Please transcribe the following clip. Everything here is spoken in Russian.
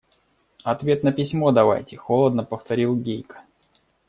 – Ответ на письмо давайте, – холодно повторил Гейка.